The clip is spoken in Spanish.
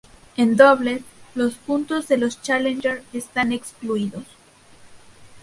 En dobles, los puntos de los Challenger están excluidos.